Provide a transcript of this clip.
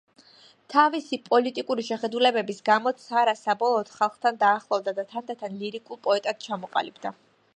თავისი პოლიტიკური შეხედულებების გამო ცარა საბოლოოდ ხალხთან დაახლოვდა და თანდათან ლირიკულ პოეტად ჩამოყალიბდა.